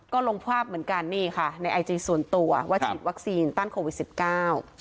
ก็ลงภาพเหมือนกันนี่ค่ะในไอจีส่วนตัวว่าฉีดวัคซีนต้านโควิดสิบเก้า